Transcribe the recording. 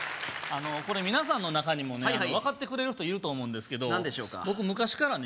これ皆さんの中にもね分かってくれる人いると思うんですけど何でしょうか？